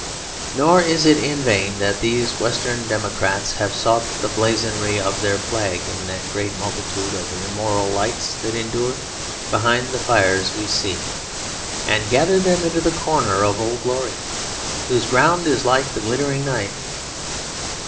Nor is it in vain that these Western democrats have sought the blazonry of their flag in that great multitude of immortal lights that endure behind the fires we see, and gathered them into the corner of Old Glory whose ground is like the glittering night.